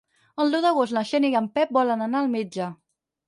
El deu d'agost na Xènia i en Pep volen anar al metge.